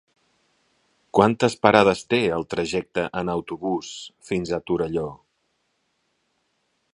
Quantes parades té el trajecte en autobús fins a Torelló?